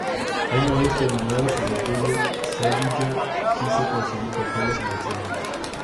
Una vez terminados sus estudios, Zellweger quiso conseguir papeles en el cine.